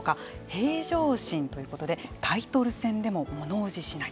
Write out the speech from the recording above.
平常心ということでタイトル戦でもものおじしない。